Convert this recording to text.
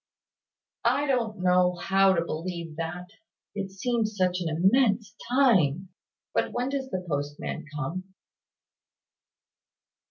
"I don't know how to believe that, it seems such an immense time! But when does the postman come?"